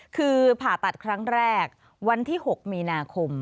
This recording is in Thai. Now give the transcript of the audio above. คือผ่าตัดครั้งแรกวันที่๖มีนาคม